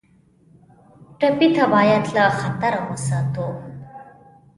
ټپي ته باید له خطره وساتو.